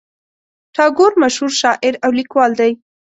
ټاګور مشهور شاعر او لیکوال دی.